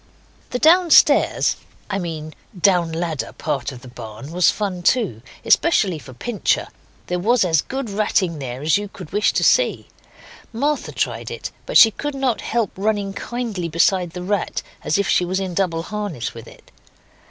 The downstairs I mean down ladder part of the barn was fun too, especially for Pincher. There was as good ratting there as you could wish to see. Martha tried it, but she could not help running kindly beside the rat, as if she was in double harness with it.